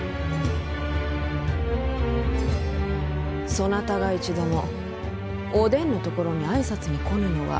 そなたが一度もお伝のところに挨拶に来ぬのは？